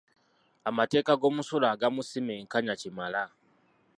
Amateeka g'omusolo agamu si menkanya kimala.